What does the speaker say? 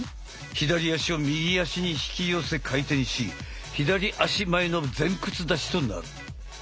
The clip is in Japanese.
左足を右足に引き寄せ回転し左足前の前屈立ちとなる。